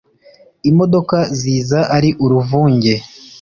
Imodoka ziza ari uruvunge